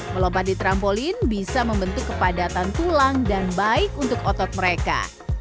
melompat di trampolin bisa membentuk kepadatan tulang dan baik untuk otot mereka